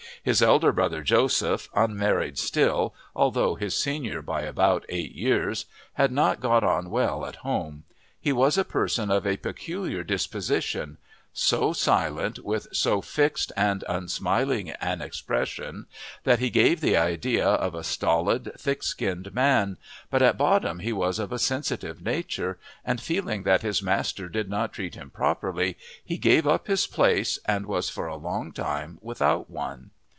His elder brother Joseph, unmarried still although his senior by about eight years, had not got on well at home. He was a person of a peculiar disposition, so silent with so fixed and unsmiling an expression, that he gave the idea of a stolid, thick skinned man, but at bottom he was of a sensitive nature, and feeling that his master did not treat him properly, he gave up his place and was for a long time without one.